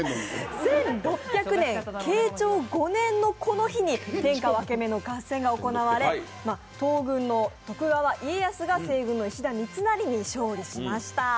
１６００年、慶長５年のこの日に天下分け目の合戦が行われ、東軍の徳川家康が西軍の石田三成に勝利しました。